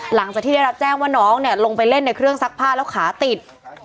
หลังจากที่ได้รับแจ้งว่าน้องเนี่ยลงไปเล่นในเครื่องซักผ้าแล้วขาติด